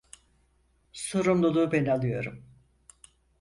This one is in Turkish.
Sorumluluğu ben alıyorum.